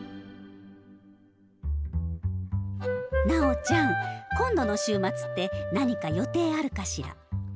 ナオちゃん今度の週末って何か予定あるかしら？